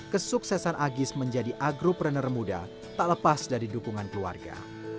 kesuksesan agis menjadi agropreneur muda tak lepas dari dukungan keluarga